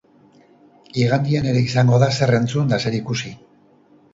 Igandean ere izango da zer entzun eta zer ikusi.